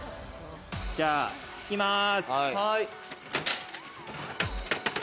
じゃあ、ひきます。